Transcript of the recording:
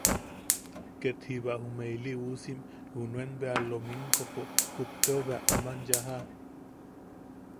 Ket jiba jume ili uusim junen bea lominkompo kupteo bea aman yaaja.